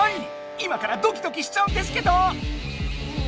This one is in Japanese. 今からドキドキしちゃうんですけど！